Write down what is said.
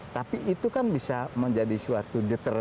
tapi itu kan bisa menjadi suatu deteran kan